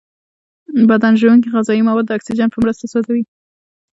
بدن ژونکې غذایي مواد د اکسیجن په مرسته سوځوي.